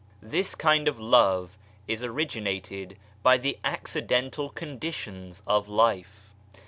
This kind of love is originated by the accidental conditions of life.